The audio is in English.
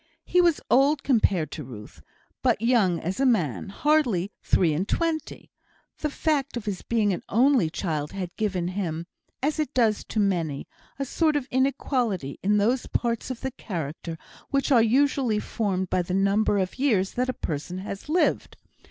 He was old compared to Ruth, but young as a man; hardly three and twenty. The fact of his being an only child had given him, as it does to many, a sort of inequality in those parts of the character which are usually formed by the number of years that a person has lived.